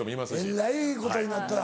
えらいことになったら。